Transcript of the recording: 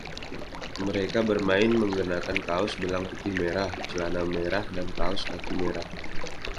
Mereka bermain mengenakan kaos belang putih dan merah, celana merah dan kaos kaki merah.